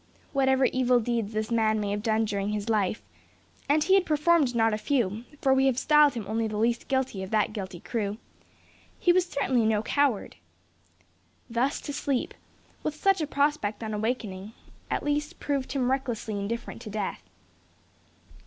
Whatever evil deeds this man may have done during his life, and he had performed not a few, for we have styled him only the least guilty of that guilty crew, he was certainly no coward. Thus to sleep, with such a prospect on awaking, at least proved him recklessly indifferent to death.